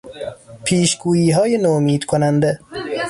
پیش گوییهای نومید کننده